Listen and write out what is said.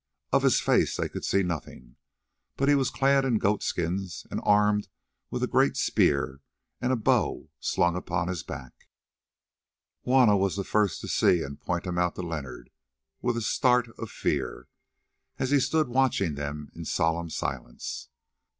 Of his face they could see nothing, but he was clad in goat skins, and armed with a great spear and a bow slung upon his back. Juanna was the first to see and point him out to Leonard with a start of fear, as he stood watching them in solemn silence.